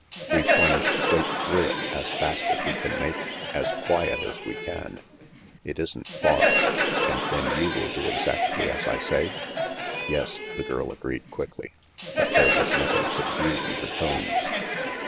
We plunge straight through it, as fast as we can make it, as quiet as we can. It isn't far. And then you will do exactly as I say?" "Yes," the girl agreed quickly, but there was nothing subdued in her tones.